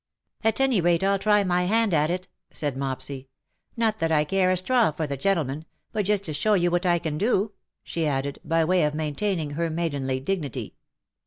'^ At any rate Til try my hand at it,'' said Mopsy. " Not that I care a straw for the gentleman, but just to show you what I can do," she added, by way of maintaining her maidenly dignity.